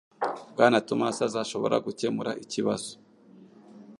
Bwana Thomas azashobora gukemura ikibazo.